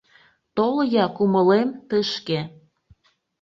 Тол-я, кумылем, тышке!